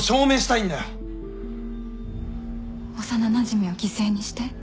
幼なじみを犠牲にして？